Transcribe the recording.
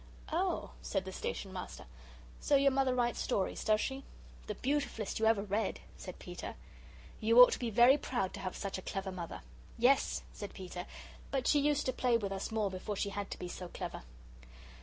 "Oh," said the Station Master, "so your Mother writes stories, does she?" "The beautifulest you ever read," said Peter. "You ought to be very proud to have such a clever Mother." "Yes," said Peter, "but she used to play with us more before she had to be so clever."